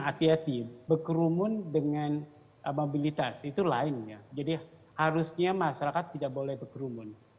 hati hati berkerumun dengan mobilitas itu lain ya jadi harusnya masyarakat tidak boleh berkerumun